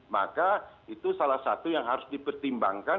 maka itu salah satu yang harus dipertimbangkan